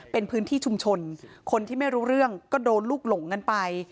เป็นพื้นที่ชุมชนคนที่ไม่รู้เรื่องก็โดนลูกหลงกันไป